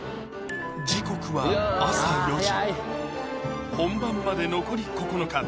時刻は朝４時本番まで残り９日